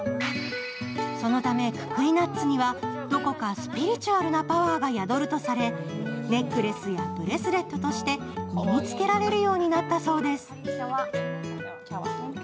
そのためククイナッツには、どこかスピリチュアルなパワーが宿るとされ、ネックレスやブレスレットとして身につけられるようになったそうです。